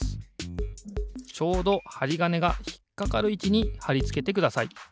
ちょうどはりがねがひっかかるいちにはりつけてください。